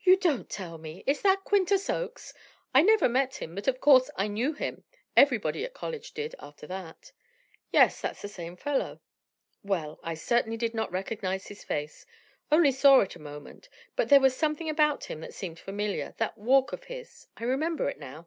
"You don't tell me! Is that Quintus Oakes? I never met him, but of course I knew him; everybody at college did, after that." "Yes, that's the same fellow." "Well, I certainly did not recognize his face. Only saw it a moment, but there was something about him that seemed familiar that walk of his I remember it now."